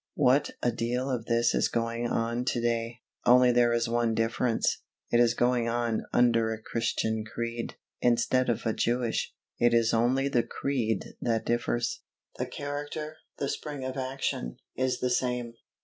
what a deal of this is going on to day, only there is one difference it is going on "under a Christian creed, instead of a Jewish." It is only the creed that differs the character, the spring of action, is the same.